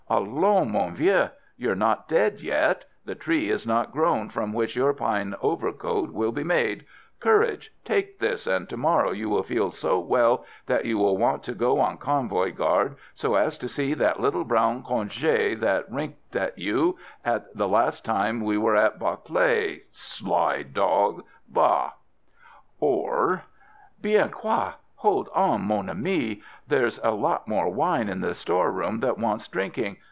"Allons! mon vieux. You're not dead yet! The tree is not grown from which your pine overcoat will be made. Courage! take this, and to morrow you will feel so well that you will want to go on convoy guard, so as to see that little brown congai that winked at you last time we were at Bac Lé. Sly dog! Va!" Or: "Bien quoi! hold on, mon ami! There's a lot more wine in the storeroom that wants drinking.